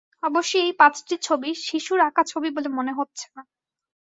অবশ্যি এই পাঁচটি ছবি শিশুর আঁকা ছবি বলে মনে হচ্ছে না।